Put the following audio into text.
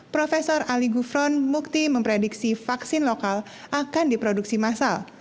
prof ali gufron mukti memprediksi vaksin lokal akan diproduksi massal